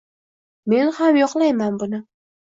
Men ham yoqlayman buni